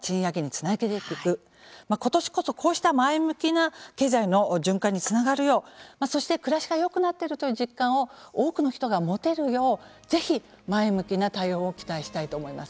今年こそこうした前向きな経済の循環につながるようそして暮らしがよくなっているという実感を多くの人が持てるようぜひ前向きな対応を期待したいと思います。